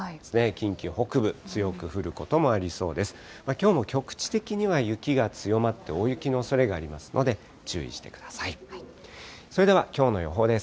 近畿北部、強く降ることもありそうです。